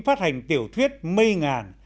phát hành tiểu thuyết mây ngàn